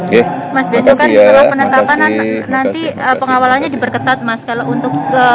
mas besok kan setelah penetapan nanti pengawalannya diperketat mas kalau untuk